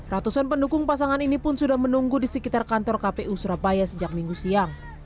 ratusan pendukung pasangan ini pun sudah menunggu di sekitar kantor kpu surabaya sejak minggu siang